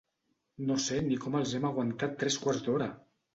No sé ni com els hem aguantat tres quarts d'hora!